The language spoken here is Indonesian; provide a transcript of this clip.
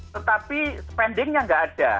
tetapi spendingnya nggak ada